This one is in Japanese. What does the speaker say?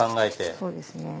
そうですね。